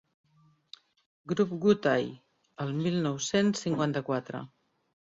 "Grup Gutai" el mil nou-cents cinquanta-quatre.